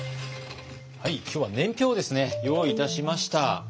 今日は年表をですね用意いたしました。